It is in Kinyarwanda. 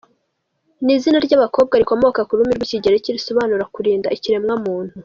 Ni izina ry’abakobwa rikomoka ku rurimi rw’Ikigereki risobanura “kurinda ikiremwamuntu”.